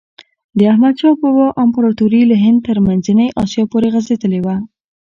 د احمد شاه بابا امپراتوري له هند تر منځنۍ آسیا پورې غځېدلي وه.